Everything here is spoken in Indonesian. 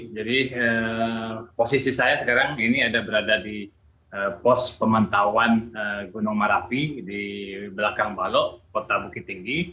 jadi posisi saya sekarang ini berada di pos pemantauan gunung marapi di belakang balok kota bukit tinggi